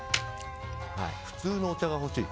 普通のお茶が欲しい。